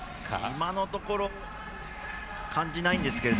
今のところ感じないんですけど